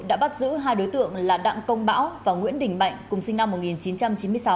đã bắt giữ hai đối tượng là đặng công bão và nguyễn đình mạnh cùng sinh năm một nghìn chín trăm chín mươi sáu